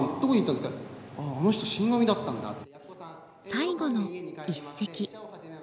最後の一席。